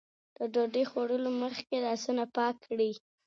د ډوډۍ خوړلو مخکې لاسونه پاک کړئ.